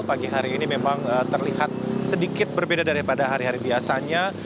pagi hari ini memang terlihat sedikit berbeda daripada hari hari biasanya